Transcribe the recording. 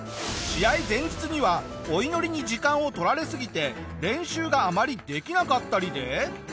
試合前日にはお祈りに時間を取られすぎて練習があまりできなかったりで。